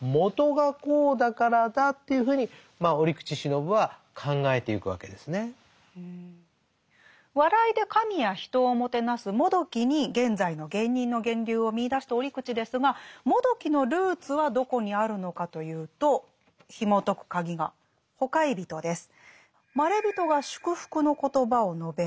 ですからそういうような笑いで神や人をもてなすもどきに現在の芸人の源流を見いだした折口ですがもどきのルーツはどこにあるのかというとひもとく鍵が「ほかひゞと」です。